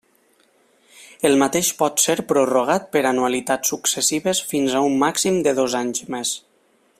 El mateix pot ser prorrogat per anualitats successives fins a un màxim de dos anys més.